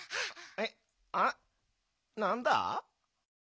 えっあっなんだ？